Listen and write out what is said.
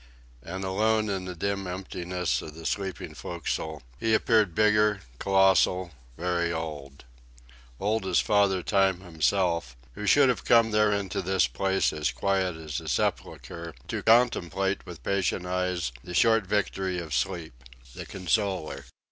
And alone in the dim emptiness of the sleeping forecastle he appeared bigger, colossal, very old; old as Father Time himself, who should have come there into this place as quiet as a sepulchre to contemplate with patient eyes the short victory of sleep, the consoler.